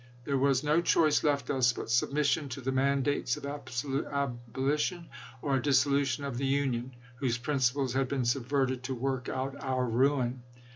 There was no choice left us but submission to the mandates of abolition, or a dissolution of the Union, whose principles had been subverted to work out our ruin.